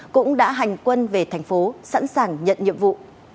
cũng đã hành quân về thành phố sẵn sàng nhận nhiệm vụ